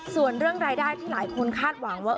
ส่วนเรื่องรายได้ที่หลายคนคาดหวังว่า